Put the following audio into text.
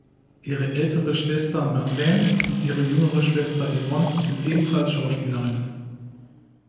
Ihre ältere Schwester Madeline und ihre jüngere Schwester Yvonne sind ebenfalls Schauspielerinnen.